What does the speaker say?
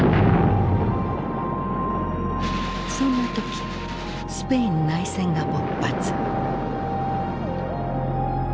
そんな時スペイン内戦が勃発。